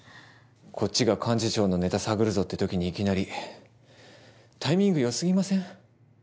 こっちが幹事長のネタ探るぞってときにいきなりタイミング良すぎません？